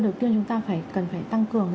đầu tiên chúng ta cần phải tăng cường